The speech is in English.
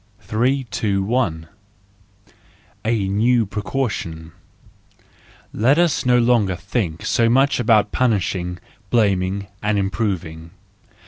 321. A New Precaution .—Let us no longer think so much about punishing, blaming, and improving!